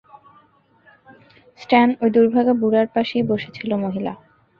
স্ট্যান, ঐ দুর্ভাগা বুড়ার পাশেই বসে ছিল মহিলা।